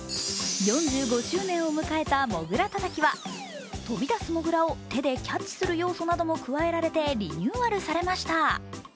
４５周年を迎えた「モグラたたき」は飛び出すモグラを手でキャッチする要素なども加えられてリニューアルされました。